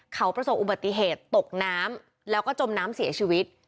เขาประสบอุบัติเหตุตกน้ำแล้วก็จมน้ำเสียชีวิต